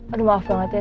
aduh maaf banget ya